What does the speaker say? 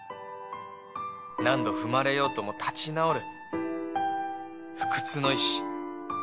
何度踏まれようとも立ち直る不屈の意思